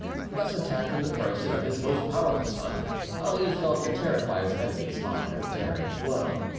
Thus attacked in the person of his most powerful son, Ali thought to terrify his enemies by a daring blow.